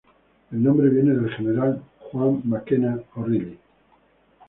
El nombre viene del General Juan Mackenna O’Reilly.